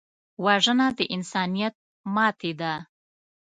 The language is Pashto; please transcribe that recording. وژنه د انسانیت ماتې ده